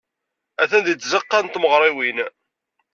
Atan deg tzeɣɣa n tmeɣriwin.